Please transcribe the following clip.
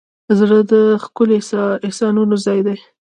زړه د ښکلي احساسونو ځای دی.